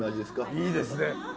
いいですね。